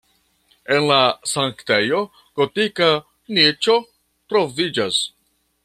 En la sanktejo gotika niĉo troviĝas.